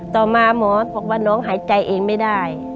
ต่อมาหมอบอกว่าน้องหายใจเองไม่ได้